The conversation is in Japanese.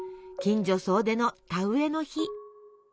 近所総出の田植えの日。